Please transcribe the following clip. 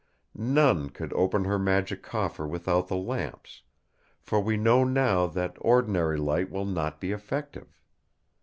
None could open her Magic Coffer without the lamps, for we know now that ordinary light will not be effective.